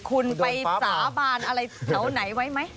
คุณไปสาบานอะไรแถวไหนไว้ไหม